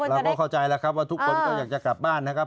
เราก็เข้าใจแล้วครับว่าทุกคนก็อยากจะกลับบ้านนะครับ